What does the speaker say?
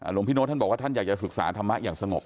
หลวงพี่โน๊ตท่านบอกว่าท่านอยากจะศึกษาธรรมะอย่างสงบ